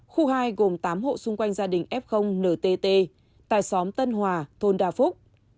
khu hai gồm tám hộ xung quanh gia đình f ntt tại xóm tân hòa thôn đa phúc